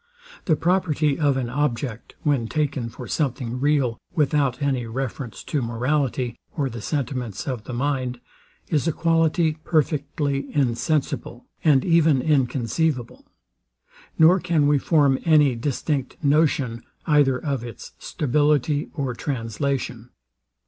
The property of an object, when taken for something real, without any reference to morality, or the sentiments of the mind, is a quality perfectly insensible, and even inconceivable; nor can we form any distinct notion, either of its stability or translation.